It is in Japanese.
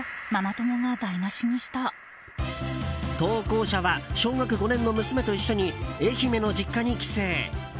投稿者は小学５年の娘と一緒に愛媛の実家に帰省。